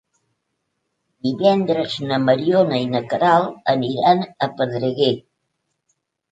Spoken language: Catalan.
Divendres na Mariona i na Queralt aniran a Pedreguer.